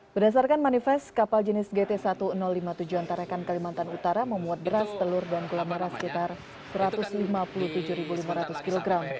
berdasarkan manifest kapal jenis gt seribu lima puluh tujuh antara rekan kalimantan utara memuat beras telur dan gelombang beras sekitar satu ratus lima puluh tujuh lima ratus kg